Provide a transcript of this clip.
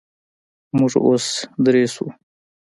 موږ اوس درې شولو.